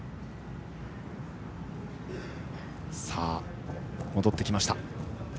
さあ、戻ってきました。